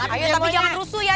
ayo tapi jangan rusuk ya